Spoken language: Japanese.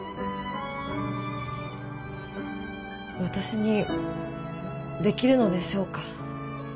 私にできるのでしょうか。